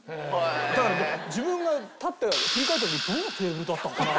だから自分が立って振り返った時どのテーブルだったかな？